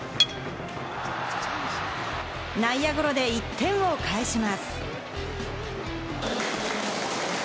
内野ゴロで１点を返します。